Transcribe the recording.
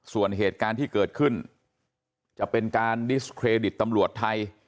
ส่วนเหตุการณ์ที่เกิดขึ้นจะเป็นการดิสเครดิตตำรวจไทย